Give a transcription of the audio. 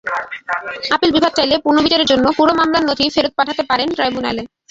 Appeal বিভাগ চাইলে পুনর্বিচারের জন্য পুরো মামলার নথি ফেরত পাঠাতে পারেন ট্রাইব্যুনালে।